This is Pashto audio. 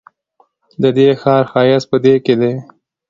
ددې ښار ښایست په دې کې دی.